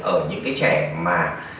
ở những cái trẻ mà